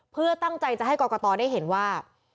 เพื่อตั้งใจจะให้กรกตได้เห็นว่า